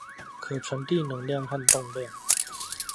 可傳遞能量和動量